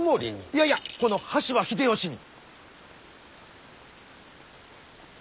いやいやこの羽柴秀吉に！